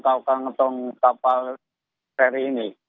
yang akan ditutup kapal ini